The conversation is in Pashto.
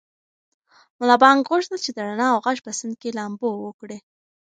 ملا بانګ غوښتل چې د رڼا او غږ په سیند کې لامبو وکړي.